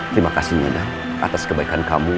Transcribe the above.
terima kasih nyona atas kebaikan kamu